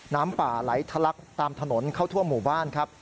น้ำป่าไหลทะลักตามถนนเข้าทั่วหมู่บ้านครับ